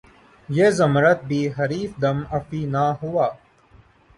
یہ زمرد بھی حریف دم افعی نہ ہوا